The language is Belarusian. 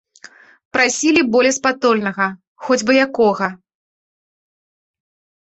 Прасілі болеспатольнага, хоць бы якога.